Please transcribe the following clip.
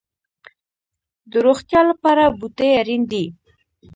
د روغتیا لپاره بوټي اړین دي